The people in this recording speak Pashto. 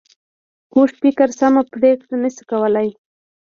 کوږ فکر سمه پرېکړه نه شي کولای